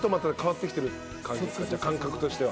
感覚としては。